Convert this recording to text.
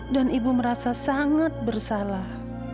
dan ibu merasa sangat bersalah